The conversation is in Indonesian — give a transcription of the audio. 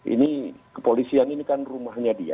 ini kepolisian ini kan rumahnya dia